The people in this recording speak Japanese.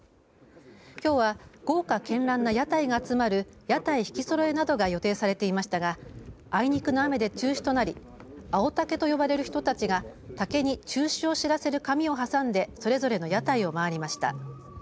きょうは豪華けんらんな屋台が集まる屋台引きそろえなどが予定されていましたがあいにくの雨で中止となり青竹と呼ばれる人たちが竹に中止を知らせる紙を挟んでそれぞれの屋台を回りました。